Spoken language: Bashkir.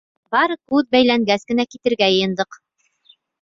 Бары күҙ бәйләнгәс кенә китергә йыйындыҡ.